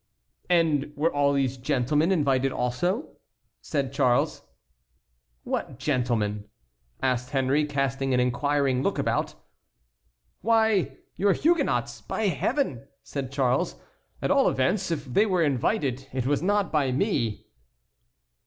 "And were all these gentlemen invited also?" said Charles. "What gentlemen?" asked Henry, casting an inquiring look about. "Why, your Huguenots, by Heaven!" said Charles; "at all events if they were invited it was not by me."